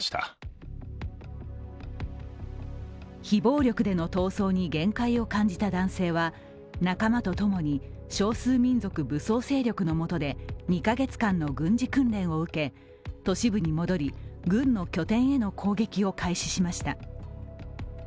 非暴力での闘争に限界を感じた男性は、仲間とともに少数民族武装勢力のもとで２カ月間の軍事訓練を受け、都市部に戻り軍の拠点への攻撃を開始しました。